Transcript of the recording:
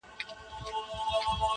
په څپو کي ستا غوټې مي وې لیدلي-